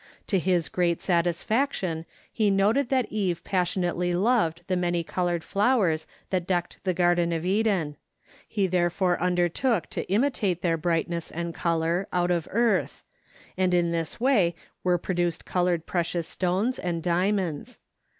To his great satisfaction he noted that Eve passionately loved the many colored flowers that decked the Garden of Eden; he therefore undertook to imitate their brightness and color out of earth, and in this way were produced colored precious stones and diamonds.